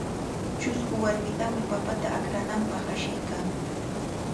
Chusku warmitami papata akrananpaq ashiykaa.